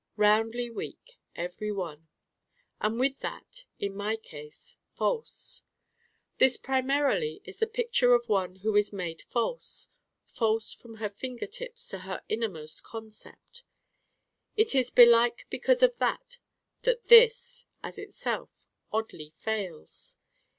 Roundly weak, every one. And with that, in my case, False. This primarily is the picture of one who is made False: False from her fingertips to her innermost concept. It is belike because of that that this, as itself, oddly Fails.